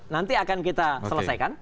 nanti akan kita selesaikan